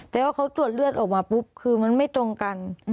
แต่ว่าเขาตรวจเลือดออกมาปุ๊บคือมันไม่ตรงกัน